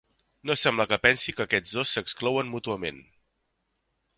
No sembla que pensi que aquests dos s'exclouen mútuament.